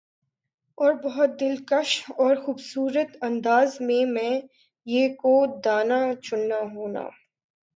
اور بَہُت دلکش اورخوبصورت انداز میں مَیں یِہ کو دانہ چننا ہونا